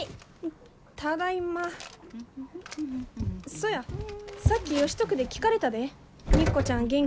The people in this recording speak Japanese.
そやさっきヨシトクで聞かれたで「肉子ちゃん元気？」